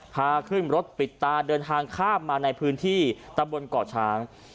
พาขึ้นรถปิดตาเดินทางข้ามมาในพื้นที่ตำบลก่อช้าง